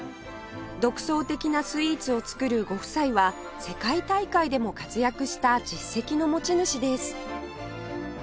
独創的なスイーツを作るご夫妻は世界大会でも活躍した実績の持ち主です